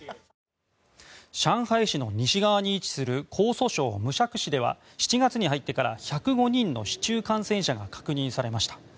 上海市の西側に位置する江蘇省無錫市では７月に入ってから１０５人の市中感染者が確認されました。